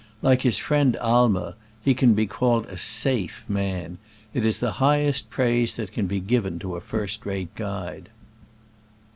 Like his friend Aimer, he can be called a safe man. It is the highest praise that can be given to a first rate guide.